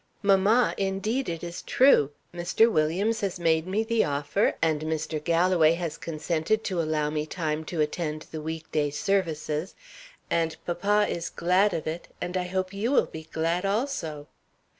"Mamma, indeed it is true. Mr. Williams has made me the offer, and Mr. Galloway has consented to allow me time to attend the week day services; and papa is glad of it, and I hope you will be glad also."